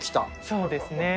そうですね。